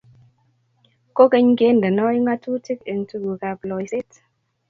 Kokeny kendeno ng'atutiik eng' tuguukab loiseet.